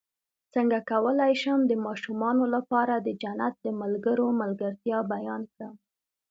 څنګه کولی شم د ماشومانو لپاره د جنت د ملګرو ملګرتیا بیان کړم